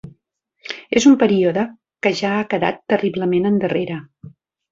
És un període que ja ha quedat terriblement endarrere